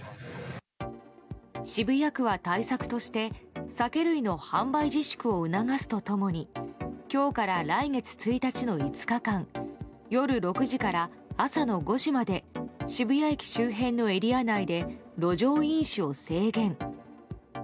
渋谷区は対策として酒類の販売自粛を促すと共に今日から来月１日の５日間夜６時から朝の５時まで渋谷駅周辺のエリア内で路上飲酒を制限。